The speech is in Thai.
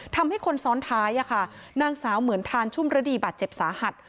ทำให้คนซ้อนท้ายนางสาวเหมือนทานชุ่มระดีบาดเจ็บสาหัส